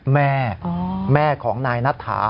แม่แม่ของนายนัทธา